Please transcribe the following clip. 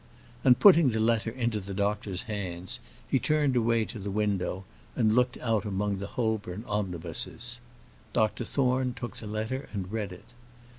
And putting the letter into the doctor's hands, he turned away to the window, and looked out among the Holborn omnibuses. Dr Thorne took the letter and read it.